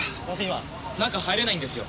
今中入れないんですよ。